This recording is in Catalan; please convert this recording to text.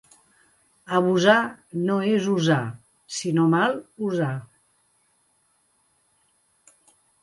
Abusar no és usar, sinó mal usar.